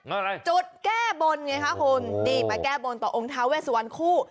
อะไรจุดแก้บนไงคะคุณนี่มาแก้บนต่อองค์ท้าเวสวันคู่